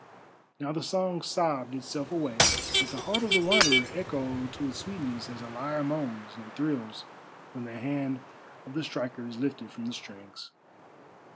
Now the song sobbed itself away, but the heart of the Wanderer echoed to its sweetness as a lyre moans and thrills when the hand of the striker is lifted from the strings.